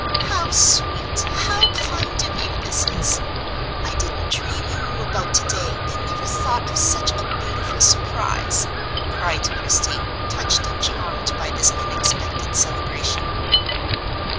"How sweet, how kind of you, this is! I didn't dream you knew about to day, and never thought of such a beautiful surprise," cried Christie, touched and charmed by this unexpected celebration.